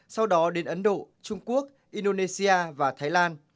sau đó đến ấn độ trung quốc indonesia và thái lan